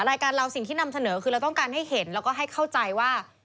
รายการเราสิ่งที่นำเสนอคือเราต้องการให้เห็นแล้วก็ให้เข้าใจว่า